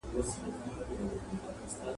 د دوی کيږدۍ باران ته ولاړه وه.